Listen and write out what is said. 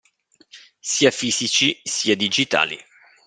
Sia fisici sia digitali.